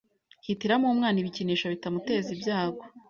Hitiramo umwana ibikinisho bitamuteza ibyago